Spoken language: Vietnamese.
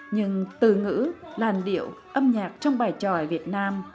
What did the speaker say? nhưng từ ngữ làn điệu âm nhạc trong bài tròi việt nam